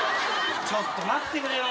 ちょっと待ってくれよ。